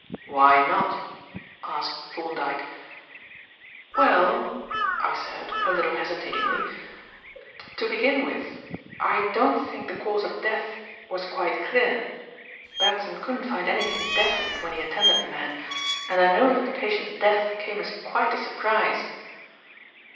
"Why not?" asked Thorndyke. "Well," I said, a little hesitatingly, "to begin with, I don't think the cause of death was quite clear, Batson couldn't find anything definite when he attended the man, and I know that the patient's death came as quite a surprise."